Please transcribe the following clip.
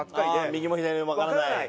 右も左もわからない？